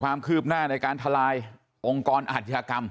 ความคืบหน้าในการทลายองค์กรอาธิกรรม